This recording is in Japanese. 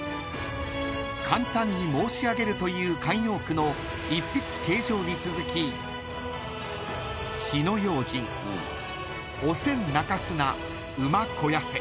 ［「簡単に申し上げる」という慣用句の「一筆啓上」に続き「火の用心お仙泣かすな馬肥せ」］